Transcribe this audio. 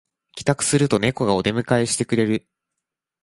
帰宅するとネコがお出迎えしてくれる